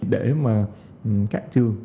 để mà các trường